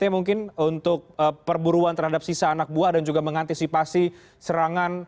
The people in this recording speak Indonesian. mungkin untuk perburuan terhadap sisa anak buah dan juga mengantisipasi serangan